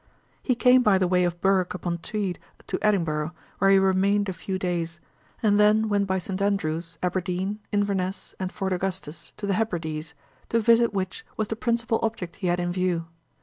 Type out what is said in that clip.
He came by the way of Berwick upon Tweed to Edinburgh, where he remained a few days, and then went by St. Andrew's, Aberdeen, Inverness, and Fort Augustus, to the Hebrides, to visit which was the principal object he had in view.